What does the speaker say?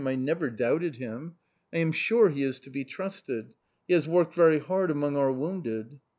I never doubted him. I am sure he is to be trusted. He has worked very hard among our wounded."